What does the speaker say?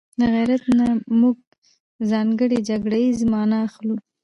له غيرت نه موږ ځانګړې جګړه ييزه مانا اخلو